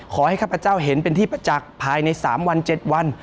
ข้าพเจ้าเห็นเป็นที่ประจักษ์ภายใน๓วัน๗วัน